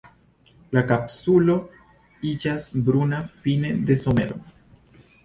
La kapsulo iĝas bruna fine de somero.